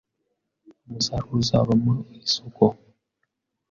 umusaruro uzava mu isoko